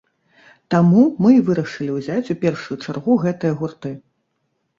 Таму мы вырашылі ўзяць у першую чаргу гэтыя гурты.